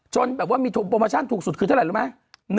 แบบว่ามีโปรโมชั่นถูกสุดคือเท่าไหร่รู้ไหม